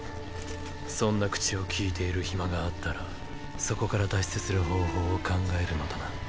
そんな口を利いている暇があったらそこから脱出する方法を考えるのだな。